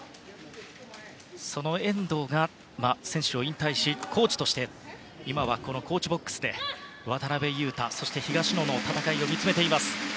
その遠藤が、選手を引退しコーチとして今はコーチボックスで渡辺勇大、東野の戦いを見つめています。